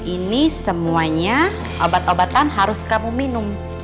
ini semuanya obat obatan harus kamu minum